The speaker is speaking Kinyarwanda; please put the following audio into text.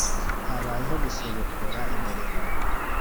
habayeho gusubukura imirimo